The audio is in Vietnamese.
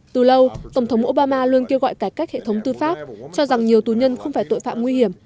từ lâu tổng thống obama luôn kêu gọi cải cách hệ thống tư pháp cho rằng nhiều tù nhân không phải tội phạm nguy hiểm